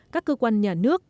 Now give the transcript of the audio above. các cơ quan nhà nước